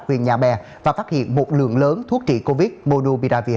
huyện nhà bè và phát hiện một lượng lớn thuốc trị covid monubiravir